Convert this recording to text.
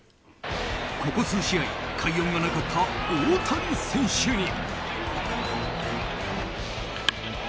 ここ数試合、快音がなかった大谷選手に。